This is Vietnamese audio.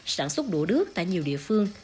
sản xuất đũa đứt tại nhiều địa phương